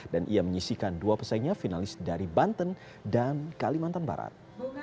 dan ia menyisikan dua pesaingnya finalis dari banten dan kalimantan barat